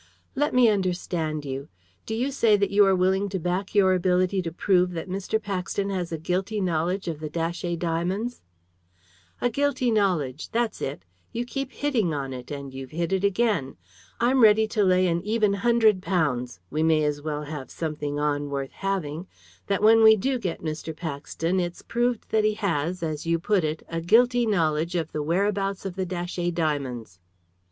"Let me understand you. Do you say that you are willing to back your ability to prove that Mr. Paxton has a guilty knowledge of the Datchet diamonds?" "A guilty knowledge that's it; you keep on hitting it, and you've hit it again. I'm ready to lay an even hundred pounds we may as well have something on worth having that when we do get Mr. Paxton it's proved that he has, as you put it, a guilty knowledge of the whereabouts of the Datchet diamonds."